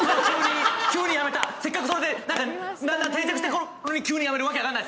急にやめた、せっかくそれでだんだん定着したのにやめるの分からない。